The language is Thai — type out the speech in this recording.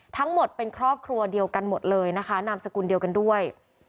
ทั้งหมดเป็นครอบครัวเดียวกันหมดเลยนะคะนามสกุลเดียวกันด้วย